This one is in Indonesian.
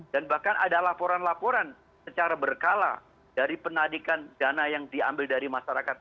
dan bahkan ada laporan laporan secara berkala dari penadikan dana yang diambil dari masyarakat